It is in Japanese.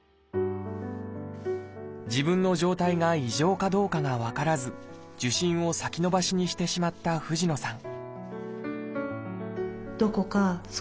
自分の状態が異常かどうかが分からず受診を先延ばしにしてしまった藤野さん